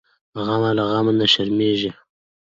غم له غمه نه شرمیږي .